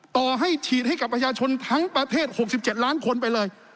ต่อให้ฉีดให้กับประชาชนทั้งประเทศ๖๗ล้านคนไปเลย